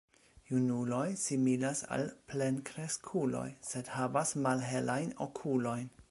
Junuloj similas al plenkreskuloj, sed havas malhelajn okulojn.